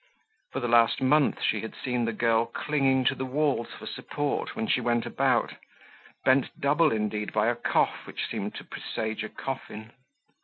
For the last month she had seen the girl clinging to the walls for support when she went about, bent double indeed, by a cough which seemed to presage a coffin.